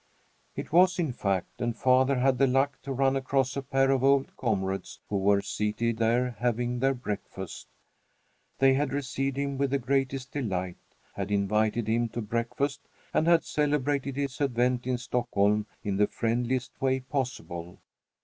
It was, in fact, and father had the luck to run across a pair of old comrades who were seated there having their breakfast. They had received him with the greatest delight, had invited him to breakfast, and had celebrated his advent in Stockholm in the friendliest way possible.